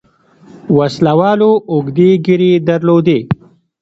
وسله والو اوږدې ږيرې درلودې.